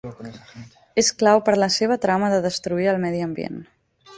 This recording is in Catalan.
És clau per a la seva trama de destruir el medi ambient.